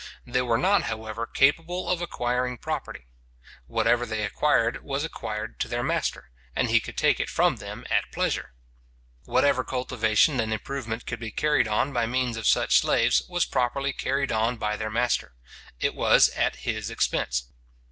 They were not, however, capable of acquiring property. Whatever they acquired was acquired to their master, and he could take it from them at pleasure. Whatever cultivation and improvement could be carried on by means of such slaves, was properly carried on by their master. It was at his expense.